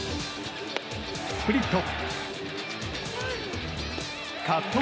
スプリット。